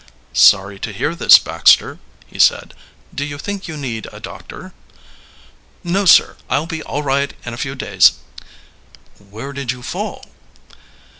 "Sorry to hear this, Baxter," he said. "Do you think you need a doctor?" "No, sir; I'll be all right in a few days." "Where did you fall?"